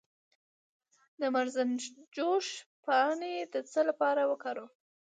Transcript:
د مرزنجوش پاڼې د څه لپاره وکاروم؟